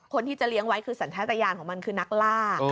คนที่จะเลี้ยงไว้คือสัญชาติยานของมันคือนักล่า